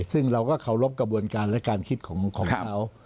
ซึ่งเราก็เคารพกระบวนการและการคิดของเขา